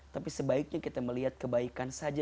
tapi sebaiknya kita melihat kebaikan saja